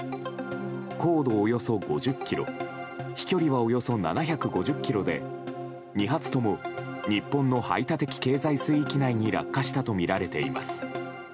高度およそ５０ｋｍ飛距離はおよそ７５０ｋｍで２発とも日本の排他的経済水域内に落下したとみられています。